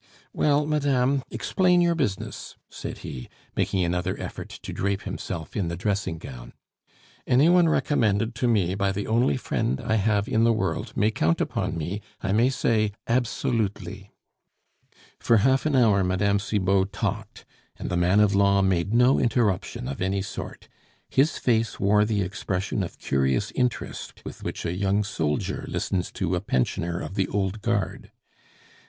"Well, madame, explain your business," said he, making another effort to drape himself in the dressing gown. "Any one recommended to me by the only friend I have in the world may count upon me I may say absolutely." For half an hour Mme. Cibot talked, and the man of law made no interruption of any sort; his face wore the expression of curious interest with which a young soldier listens to a pensioner of "The Old Guard."